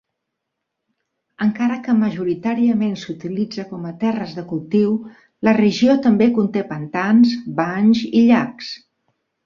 Encara que majoritàriament s'utilitza com a terres de cultiu, la regió també conté pantans, banys i llacs.